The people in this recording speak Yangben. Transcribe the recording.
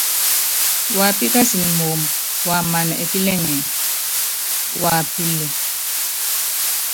Wapíkasɛn moomb waman ɛpílɛŋɛ wapíli.